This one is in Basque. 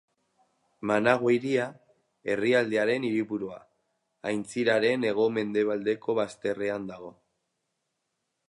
Managua hiria, herrialdearen hiriburua, aintziraren hego-mendebaldeko bazterrean dago.